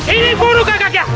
ini burung gagaknya